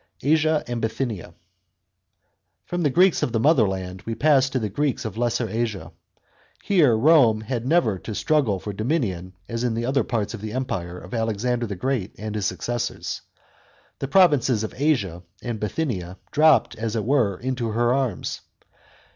§ 3. ASIA AND BITHYNIA. — From the Greeks of the mother land we pass to the Greeks of Lesser Asia. Here Rome had never to struggle for dominion as in the other parts of the empire of Alexander the Great and his successors. The provinces of "Asia" and Bi thy iiia dropped, as it were, into her arms.